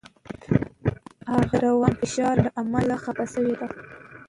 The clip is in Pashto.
هغه د رواني فشار له امله خپه شوی دی.